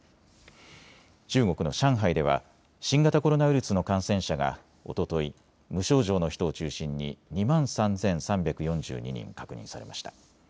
中国の上海では新型コロナウイルスの感染者がおととい、無症状の人を中心に２万３３４２人確認されました。